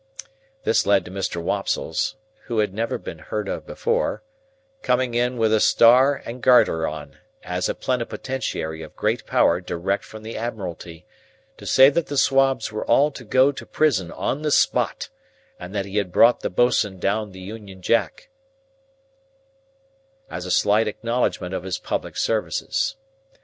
This led to Mr. Wopsle's (who had never been heard of before) coming in with a star and garter on, as a plenipotentiary of great power direct from the Admiralty, to say that the Swabs were all to go to prison on the spot, and that he had brought the boatswain down the Union Jack, as a slight acknowledgment of his public services.